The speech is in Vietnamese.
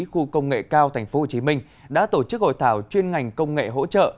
khu công nghệ cao tp hcm đã tổ chức hội thảo chuyên ngành công nghệ hỗ trợ